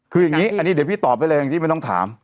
คืออย่างนี้อันนี้เดี๋ยวพี่ตอบได้เลยอย่างที่ไม่ต้องถาม